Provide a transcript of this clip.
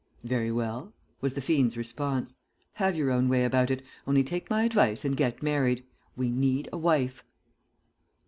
"'Very well,' was the fiend's response. 'Have your own way about it, only take my advice and get married. We need a wife.'